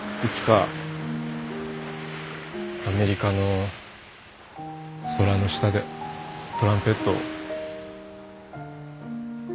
いつかアメリカの空の下でトランペットを。